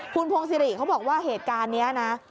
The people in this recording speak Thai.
คุณพงศิริเขาบอกว่าเหตุการณ์นี้นะ